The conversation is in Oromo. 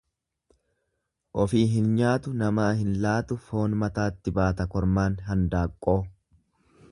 Ofii hin nyaatu namaa hin laatu foon mataatti baata kormaan handaanqoo.